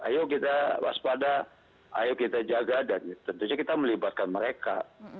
ayo kita waspada ayo kita jaga dan tentunya kita melibatkan mereka